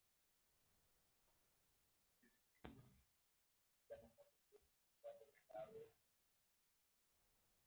Niles escribió el himno "El gran amor de Dios está revelado en el Hijo".